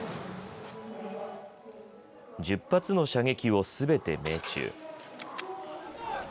１０発の射撃をすべて命中。